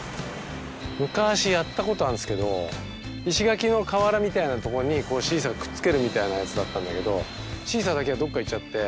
昔やったことあるけど石垣の瓦みたいなとこにシーサーくっつけるみたいなやつだったんだけどシーサーだけがどっか行っちゃって。